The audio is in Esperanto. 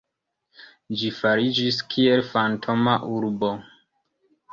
Ĝi fariĝis kiel fantoma urbo.